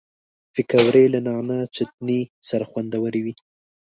پکورې له نعناع چټني سره خوندورې وي